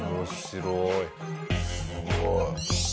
すごい。